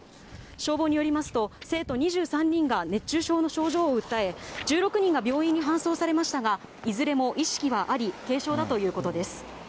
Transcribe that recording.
消防によりますと、生徒２３人が熱中症の症状を訴え、１６人が病院に搬送されましたが、いずれも意識はあり、軽症だということです。